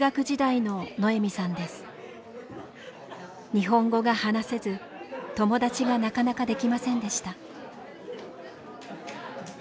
日本語が話せず友達がなかなか出来ませんでした。